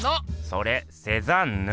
それセザンヌ！